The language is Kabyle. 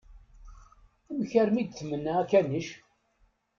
Amek armi i d-tmenna akanic?